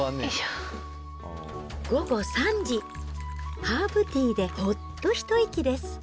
午後３時、ハーブティーでほっと一息です。